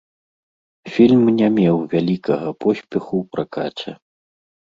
Фільм не меў вялікага поспеху ў пракаце.